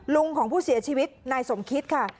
ของผู้เสียชีวิตนายสมคิตค่ะ